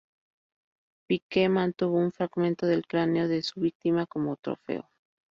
Pike mantuvo un fragmento del cráneo de su víctima como "trofeo".